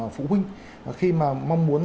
phụ huynh khi mà mong muốn